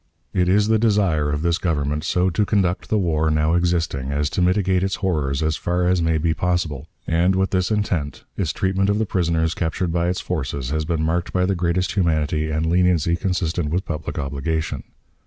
"It is the desire of this Government so to conduct the war now existing as to mitigate its horrors as far as may be possible, and, with this intent, its treatment of the prisoners captured by its forces has been marked by the greatest humanity and leniency consistent with public obligation.